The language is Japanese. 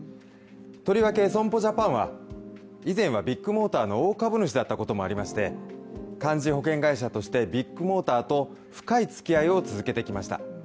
とりわけ損保ジャパンは以前はビッグモーターの大株主だったこともありまして、幹事保険会社として、ビッグモーターと深い関係を続けてきました。